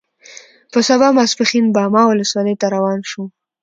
په سبا ماسپښین باما ولسوالۍ ته روان شوو.